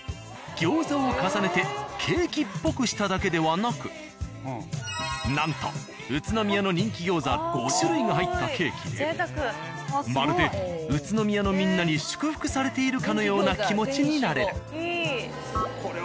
餃子を重ねてケーキっぽくしただけではなくなんと宇都宮の人気餃子５種類が入ったケーキでまるで宇都宮のみんなに祝福されているかのような気持ちになれる。